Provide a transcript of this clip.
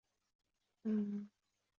高年级采用传统式教学。